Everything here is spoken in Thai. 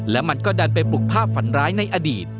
และมันก็ดันไปปลุกภาพฝันร้ายในอดีต